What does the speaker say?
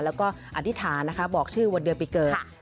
แล้วก็อธิษฐานบอกชื่อวนเดือปีเกิบ